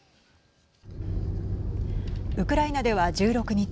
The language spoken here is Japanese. ウクライナでは１６日